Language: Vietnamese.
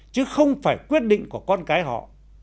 chứ không phải quyết định của con cái họ